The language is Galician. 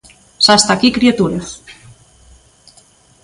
Xa está aquí Criaturas.